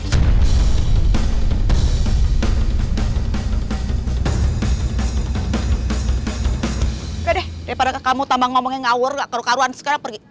gak deh daripada kamu tambang ngomongnya ngawur gak karu karuan sekarang pergi